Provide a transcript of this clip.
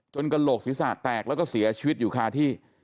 จนกระโหลกศิษย์ศาสตร์แตกแล้วก็เสียชีวิตอยู่ค่าที่